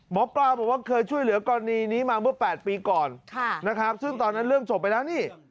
หมอปลาบอกว่าเคยช่วยเหลือกรณีนี้มาเมื่อ๘ปีก่อนนะครับซึ่งตอนนั้นเรื่องจบไปแล้วนี่